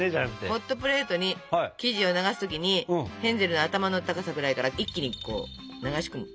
ホットプレートに生地を流す時にヘンゼルの頭の高さくらいから一気に流し込む。